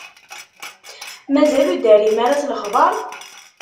Mazal ur d-terrim ara s lexbaṛ?